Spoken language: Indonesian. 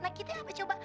nah kita apa coba